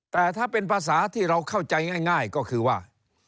แต่ถ้าเป็นภาษาที่เราเข้าใจง่ายก็คือว่า